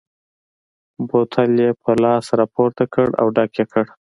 بوتل یې پر ګیلاس را پورته کړ او ډک یې کړ.